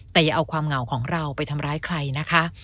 แต่อย่าเอาความเหงาของเราไปทำร้ายใครนะคะ